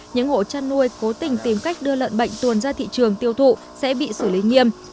những hộ chăn nuôi cố tình tìm cách đưa lợn bệnh tuồn ra thị trường tiêu thụ sẽ bị xử lý nghiêm